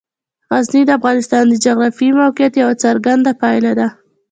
غزني د افغانستان د جغرافیایي موقیعت یوه څرګنده پایله ده.